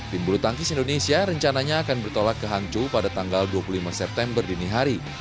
tim bulu tangkis indonesia rencananya akan bertolak ke hangzhou pada tanggal dua puluh lima september dini hari